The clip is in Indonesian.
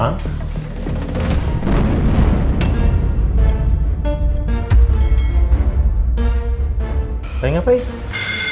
apa yang lu buat